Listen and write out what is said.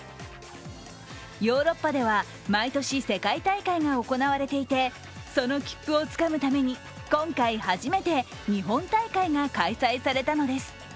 ヨーロッパでは毎年、世界大会が行われていて、その切符をつかむために今回初めて、日本大会が開催されたのです。